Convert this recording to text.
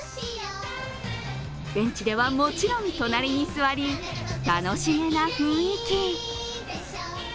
ベンチではもちろん隣に座り楽しげな雰囲気。